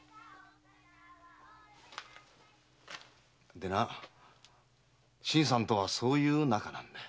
でな新さんとはそういう仲なんだ。